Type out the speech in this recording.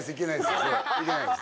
行けないです